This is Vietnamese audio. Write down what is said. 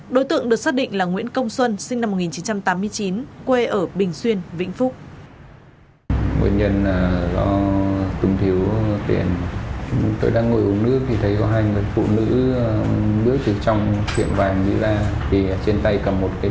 đối tượng được xác định là nguyễn công xuân sinh năm một nghìn chín trăm tám mươi chín